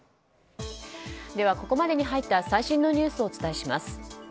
ここまでに入った最新のニュースをお伝えします。